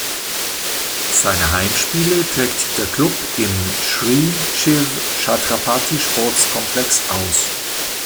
Seine Heimspiele trägt der Klub im “Shree Shiv Chhatrapati Sports Complex” aus.